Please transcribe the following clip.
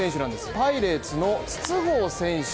パイレーツの筒香選手。